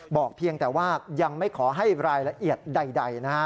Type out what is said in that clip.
เพียงแต่ว่ายังไม่ขอให้รายละเอียดใดนะฮะ